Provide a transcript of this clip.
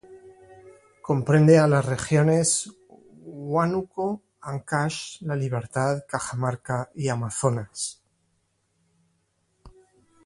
Comprende a las regiones: Huánuco, Ancash, La Libertad, Cajamarca y Amazonas.